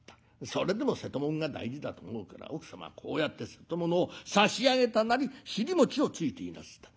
それでも瀬戸物が大事だと思うから奥様はこうやって瀬戸物を差し上げたなり尻餅をついていなすった。